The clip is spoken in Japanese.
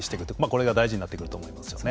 これが大事になってくると思いますよね。